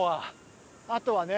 あとはね。